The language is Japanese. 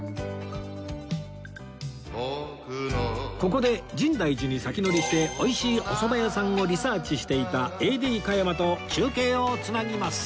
ここで深大寺に先乗りして美味しいおそば屋さんをリサーチしていた ＡＤ 加山と中継を繋ぎます